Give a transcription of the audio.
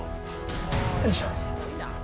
よいしょ。